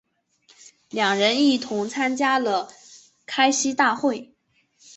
两人一同参加了开西大会。